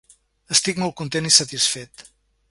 Estic molt content i satisfet.